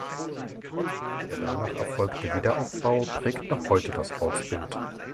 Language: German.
Der danach erfolgte Wiederaufbau prägt noch heute das Ortsbild.